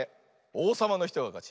おうさまのひとがかち。